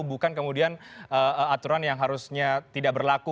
bukan kemudian aturan yang harusnya tidak berlaku